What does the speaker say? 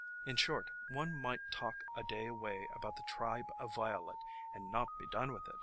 In short, one might talk a day away about the tribe of Violet and not be done with it.